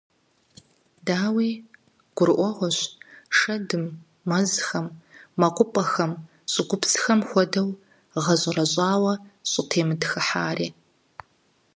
Дауи, гурыӀуэгъуэщ шэдым мэзхэм, мэкъупӀэхэм, щӀыгупсхэм хуэдэу гъэщӀэрэщӀауэ щӀытемытхыхьари.